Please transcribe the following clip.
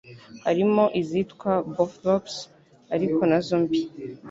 harimo izitwa Bothrops ari nazo mbi